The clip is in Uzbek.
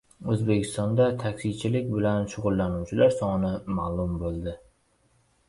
O‘zbekistonda taksichilik bilan shug‘ullanuvchilar soni ma’lum bo‘ldi